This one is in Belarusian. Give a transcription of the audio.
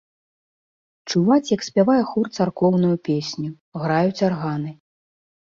Чуваць, як спявае хор царкоўную песню, граюць арганы.